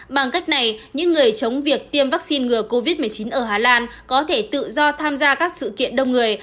bằng cách này những người chống việc tiêm vaccine ngừa covid một mươi chín ở hà lan có thể tự do tham gia các sự kiện đông người